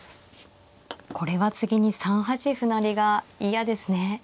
これは次に３八歩成が嫌ですね。